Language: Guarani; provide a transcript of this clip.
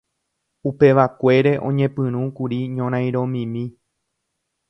Upevakuére oñepyrũkuri ñorairõmimi.